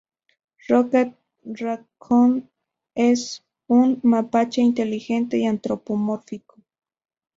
Rocket Raccoon es un mapache inteligente y antropomórfico.